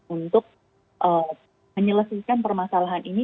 untuk menyelesaikan permasalahan ini